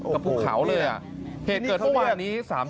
กับภูเขาเลยอ่ะเหตุเกิดทุกวันนี้๓ทุ่มเศษ